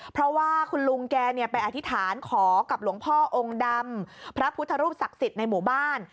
เพราะว่าคุณลุงแกไปอธิษฐานขอกับหลวงพ่อองค์ดำพระพุทธรูปศักดิ์สิทธิ์ในหมู่บ้าน